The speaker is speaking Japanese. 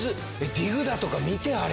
ディグダとか見てあれ。